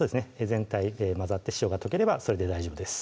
全体混ざって塩が溶ければそれで大丈夫です